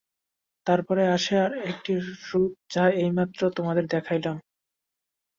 তারপরে আসে আর একটি রূপ, যাহা এইমাত্র তোমাদের দেখাইলাম।